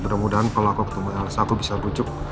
mudah mudahan kalau aku ketemu anak aku bisa bujuk